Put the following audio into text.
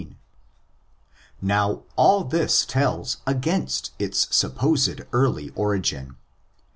17). Now, all this tells against its supposed early origin.